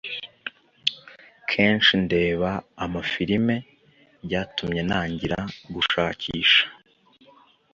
kenshi ndeba amafilime. Byatumye ntangira gushakisha